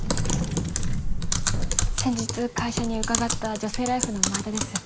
先日会社に伺った「女性ＬＩＦＥ」の前田です。